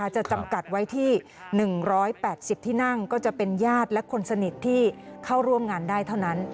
จะจำกัดไว้ที่๑๘๐ที่นั่งก็จะเป็นญาติและคนสนิทที่เข้าร่วมงานได้เท่านั้น